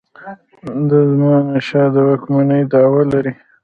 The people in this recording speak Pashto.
د زمانشاه د واکمنی دعوه لري.